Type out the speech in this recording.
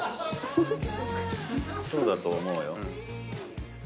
そうだと思うよ。